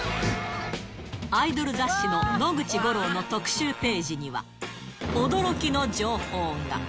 アイドル雑誌の野口五郎の特集ページには、驚きの情報が。